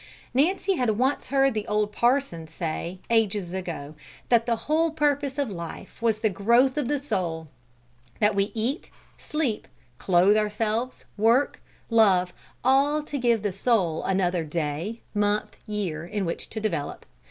Nancy had once heard the old parson say, ages ago, that the whole purpose of life was the growth of the soul; that we eat, sleep, clothe ourselves, work, love, all to give the soul another day, month, year, in which to develop.